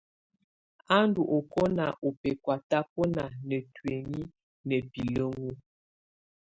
A ndù ɔkɔna ù bɛkɔ̀á tabɔna na tuinyii na bilǝŋu.